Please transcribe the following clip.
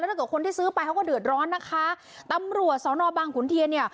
ถ้าเกิดคนที่ซื้อไปเขาก็เดือดร้อนนะคะตำรวจสอนอบางขุนเทียนเนี่ย